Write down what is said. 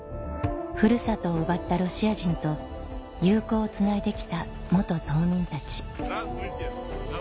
古里を奪ったロシア人と友好をつないで来た島民たち